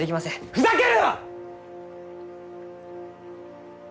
ふざけるな！